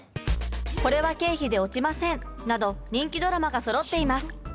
「これは経費で落ちません！」など人気ドラマがそろっています